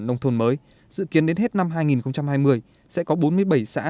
nông thôn mới dự kiến đến hết năm hai nghìn hai mươi sẽ có bốn mươi bảy xã